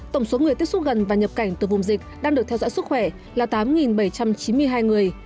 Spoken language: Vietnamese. tổng số người tiếp xúc gần và nhập cảnh từ vùng dịch đang được theo dõi sức khỏe là tám bảy trăm chín mươi hai người